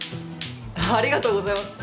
ありがとうございます。